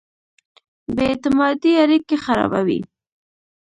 بې اعتمادۍ اړیکې خرابوي.